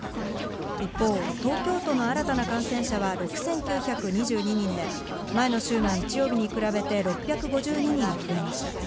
一方、東京都の新たな感染者は６９２２人で、前の週の日曜日に比べて、６５２人増えました。